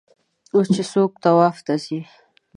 اوس چې څوک طواف ته ځي.